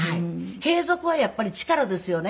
継続はやっぱり力ですよね。